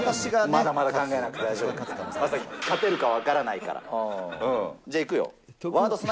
まだまだ考えなくて大丈夫、将暉、勝てるか分からないから。